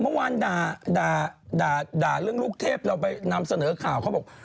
เมื่อวานด่าเรื่องลูกเทพเราไปนำเสนอข่าวเขาบอก